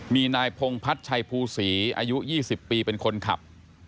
มีนายพงพัฒน์ชัยภูศรีอายุ๒๐ปีเป็นคนขับ